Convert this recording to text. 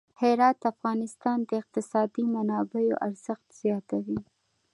هرات د افغانستان د اقتصادي منابعو ارزښت زیاتوي.